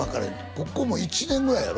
ここも１年ぐらいやろ？